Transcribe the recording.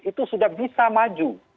itu sudah bisa maju